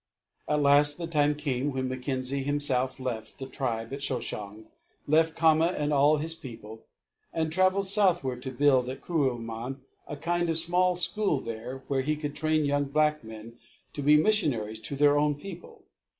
At last the time came when Mackenzie himself left the tribe at Shoshong left Khama and all his people and travelled southward to build at Kuruman a kind of small school where he could train young black men to be missionaries to their own people.